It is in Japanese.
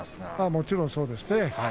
もちろん、そうですね。